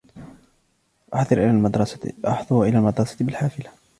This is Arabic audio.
أحضر إلى المدرس بالحافلة.